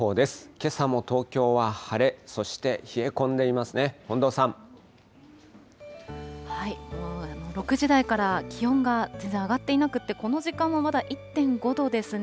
けさも東京は晴れ、そして冷え込６時台から気温が全然上がっていなくて、この時間もまだ１．５度ですね。